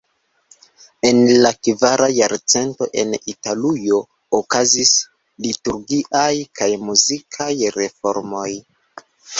En la kvara jarcento en Italujo okazis liturgiaj kaj muzikaj reformoj.